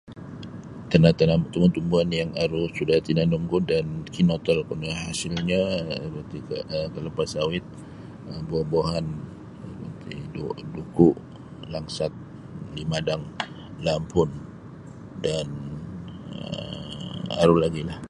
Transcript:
Tana tanam tumbu-tumbuan aru sudah tinanumku dan kinotolku nio hasilnyo aru ti ka kalapa sawit buah-buahan nu iti du duku' langsat limadang lampun dan um aru lagi'lah.